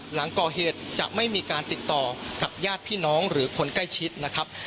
หลังก่อเหตุจะไม่มีการติดต่อกับญาติพี่น้องหรือคนใกล้ชิดนะครับ